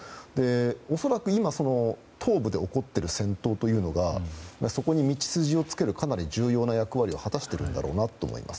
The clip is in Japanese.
恐らく今、東部で起こっている戦闘というのがそこに道筋をつけるかなり重要な役割を果たしているんだろうなと思います。